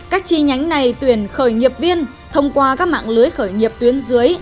các chi nhánh này tuyển khởi nghiệp viên thông qua các mạng lưới khởi nghiệp tuyến dưới